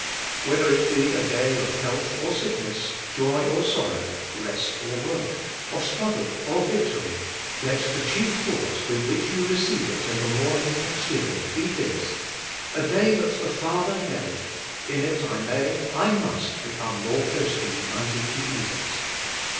Whether it be a day of health or sick ness, joy or sorrow, rest or work, of struggle or vic tory, let the chief thought with which you receive it in the morning thanksgiving be this: 'A day that the Father gave; in it I may, I must become more closely united to Jesus.'